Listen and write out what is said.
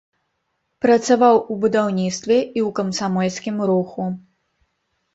Працаваў у будаўніцтве і ў камсамольскім руху.